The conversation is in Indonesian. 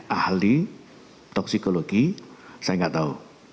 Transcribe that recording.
ahli toksikologi saya nggak tahu